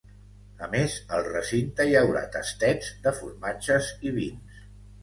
A més, al recinte hi haurà tastets de formatges i vins.